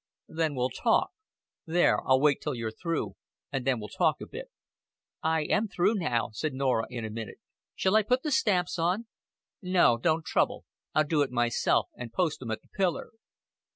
"Then we'll talk. There, I'll wait till you're through, and then we'll talk a bit." "I am through now," said Norah in a minute. "Shall I put the stamps on?" "No, don't trouble. I'll do it myself and post 'em at the pillar."